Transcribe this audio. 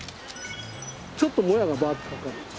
ちょっともやがバーッてかかる感じ。